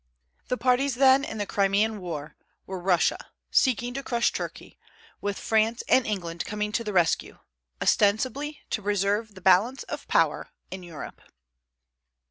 The parties, then, in the Crimean war were Russia, seeking to crush Turkey, with France and England coming to the rescue, ostensibly to preserve the "balance of power" in Europe.